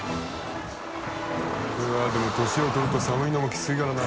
竹中）でも年を取ると寒いのもキツいからな。